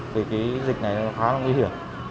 vì cái dịch này nó khá là nguy hiểm